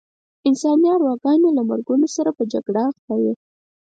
انساني ارواګانې له مرګونو سره په جګړه اخته وې.